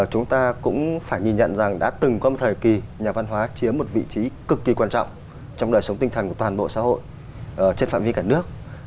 chúng ta cũng phải nhìn nhận rằng đã từng có một thời kỳ nhà văn hóa chiếm một vị trí cực kỳ quan trọng trong đời sống tinh thần của toàn bộ xã hội trên phạm vi cả nước